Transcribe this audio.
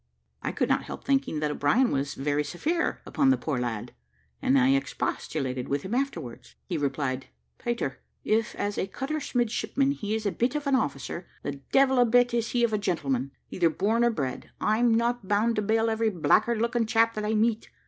I could not help thinking that O'Brien was very severe upon the poor lad, and I expostulated with him afterwards. He replied, "Peter, if, as a cutter's midshipman, he is a bit of an officer, the devil a bit is he of a gentleman, either born or bred; and I'm not bound to bail every blackguard looking chap that I meet.